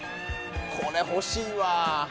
これ欲しいわ。